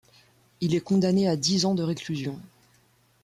Il est condamné à dix ans de réclusion.